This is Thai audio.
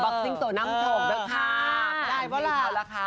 บ็อกซิงโตน้ำโถ่งด้วยค่ะ